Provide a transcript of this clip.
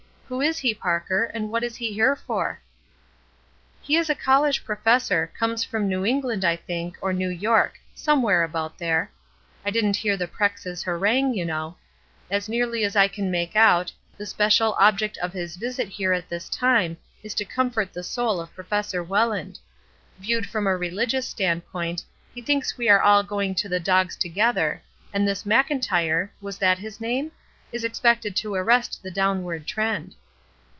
Who is he, Parker, and what is he here for?" "He is a college professor; comes from New England, I think, or New York — somewhere about there. I didn't hear the Prex's harangue, you know. As nearly as I can make out, the special object of his visit here at this time is to comfort the soul of Professor Welland. Viewed from a rehgious standpoint, he thinks we are all going to the dogs together, and this Mclntyre — was that his name ?— is expected to arrest the downward trend.''